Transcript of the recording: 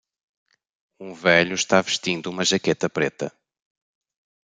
Um velho está vestindo uma jaqueta preta.